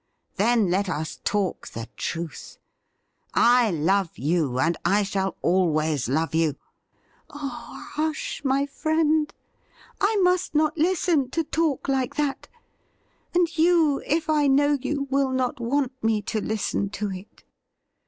' Then, let us talk the truth. I love you, and I shall always love you '' Oh, hush, my friend ! I must not listen to talk like 8 lU THE RIDDLE BlNd that ; and you, if I know you, will not want me to listen to it.